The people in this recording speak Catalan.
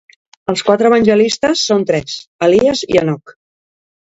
Els quatre Evangelistes són tres: Elies i Enoc.